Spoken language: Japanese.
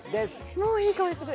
もういい香りする。